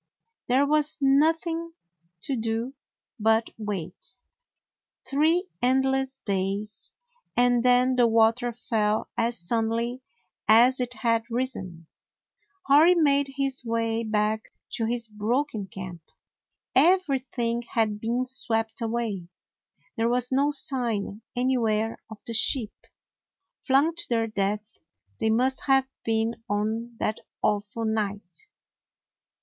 There was nothing to do but wait — three endless days — and then the water fell as sud denly as it had risen. Hori made his way back to his broken camp. Everything had been swept away. There was no sign any where of the sheep. Flung to their death they must have been on that awful night.